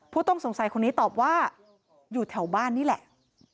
ผู้ต้องสงสัยคนนี้ตอบว่าอยู่แถวบ้านนี่แหละ